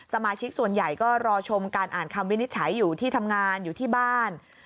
สมาชิกส่วนใหญ่ก็รอชมการอ่านคำวินิจฉัยอยู่ที่ทำงานอยู่ที่บ้าน